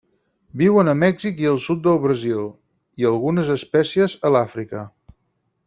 Viuen a Mèxic i al sud de Brasil, i algunes espècies a l'Àfrica.